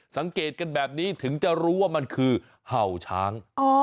สังเกตกันแบบนี้ถึงจะรู้ว่ามันคือเห่าช้าง